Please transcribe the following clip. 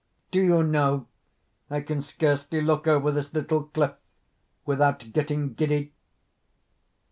Do you know I can scarcely look over this little cliff without getting giddy?"